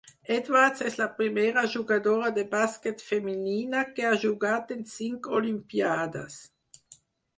Edwards és la primera jugadora de bàsquet femenina que ha jugat en cinc Olimpíades.